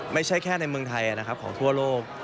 ไม่ใช่แค่ในเมืองไทยนะครับของทั่วโลก